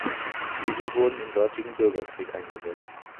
Diese wurden im dortigen Bürgerkrieg eingesetzt.